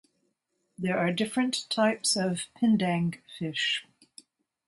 There are different types of "pindang" fish.